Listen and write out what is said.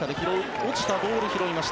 落ちたボール、拾いました。